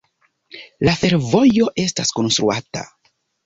La fervojo estas konstruata.